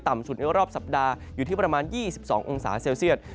สุดในรอบสัปดาห์อยู่ที่ประมาณ๒๒องศาเซลเซียต